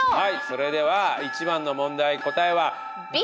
それでは１番の問題答えは。